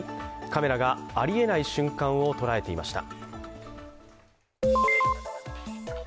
カメラがありえない瞬間を捉えていました。